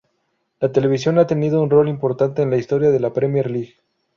La televisión ha tenido un rol importante en la historia de la Premier League.